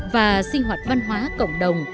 và sinh hoạt văn hóa cộng đồng